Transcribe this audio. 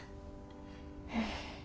うん。